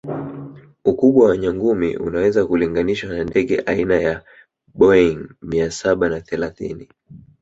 Ukubwa wa nyangumi unaweza kulinganishwa na ndege aina ya Boeing mia Saba na thelathini